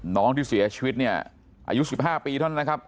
น้องที่เสียชีวิตเนี่ยอายุ๑๕ปีเท่านั้นนะครับ